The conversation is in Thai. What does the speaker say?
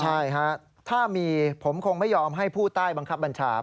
ใช่ฮะถ้ามีผมคงไม่ยอมให้ผู้ใต้บังคับบัญชา